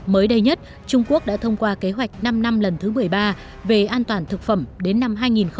mới đây nhất trung quốc đã thông qua kế hoạch năm năm lần thứ một mươi ba về an toàn thực phẩm đến năm hai nghìn hai mươi